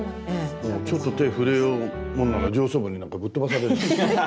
ちょっと手を触れようものなら上層部にぶっ飛ばされる。